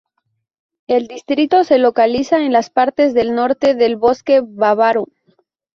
El distrito se localiza en las partes del norte del "Bosque bávaro".